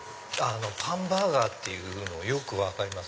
パンバーガーっていうのよく分かります。